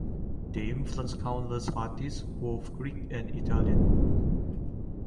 They influenced countless artists both Greek and Italian.